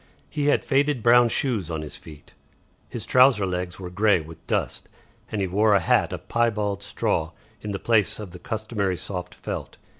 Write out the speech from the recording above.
He had faded brown shoes on his feet, his trouser legs were grey with dust, and he wore a hat of piebald straw in the place of the customary soft felt.